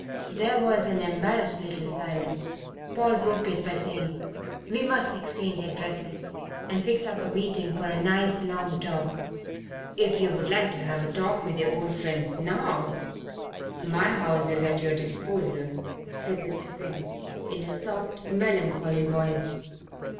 There was an embarrassed little silence. Paul broke it by saying: "We must exchange addresses, and fix up a meeting for a nice long talk." "If you would like to have a talk with your old friends now, my house is at your disposal," said Mr. Finn, in a soft, melancholy voice.